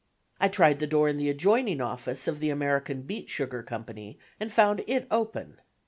I tried the door in the adjoining office of the American Beet Sugar Company and found it open.